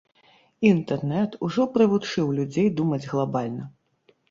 Інтэрнэт ужо прывучыў людзей думаць глабальна.